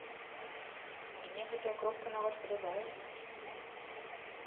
Але мне гэтая кропка нават падабаецца!